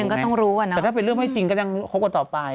ก็ต้องรู้อะนะแต่ถ้าเกิดเป็นเรื่องไม่จริงก็ยังควบคุมกับต่อไป